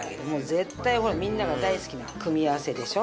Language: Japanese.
絶対ほらみんなが大好きな組み合わせでしょ？